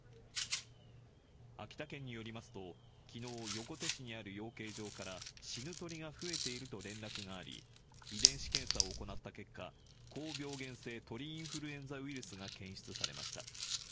秋田県によりますと、きのう、横手市にある養鶏場から死ぬ鶏が増えていると連絡があり、遺伝子検査を行った結果、高病原性鳥インフルエンザウイルスが検出されました。